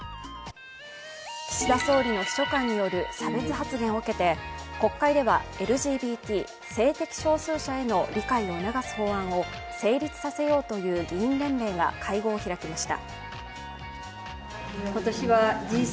岸田総理の秘書官による差別発言を受けて国会ではＬＧＢＴ＝性的少数者への理解を促す法案を成立させようという議員連盟が会合を開きました。